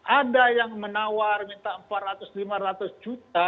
ada yang menawar minta empat ratus lima ratus juta